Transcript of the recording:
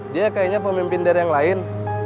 dia kayaknya pemimpin dari yang lain